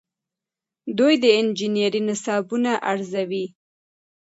دوی د انجنیری نصابونه ارزوي.